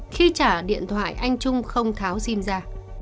khi trả điện thoại anh trung không tháo sim ra